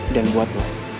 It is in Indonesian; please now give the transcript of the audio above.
dan buat lo